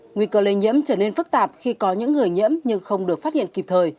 nguy cơ lây nhiễm trở nên phức tạp khi có những người nhiễm nhưng không được phát hiện kịp thời